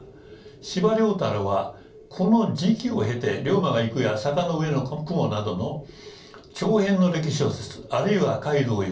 司馬太郎はこの時期を経て「竜馬がゆく」や「坂の上の雲」などの長編の歴史小説あるいは「街道をゆく」